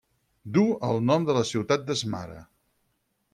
Duu el nom de la ciutat de Smara.